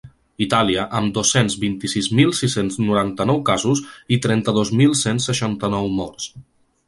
Itàlia, amb dos-cents vint-i-sis mil sis-cents noranta-nou casos i trenta-dos mil cent seixanta-nou morts.